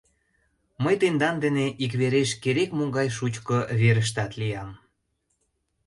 — Мый тендан дене иквереш керек-могай шучко верыштат лиям...